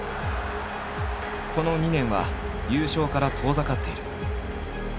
この２年は優勝から遠ざかっている。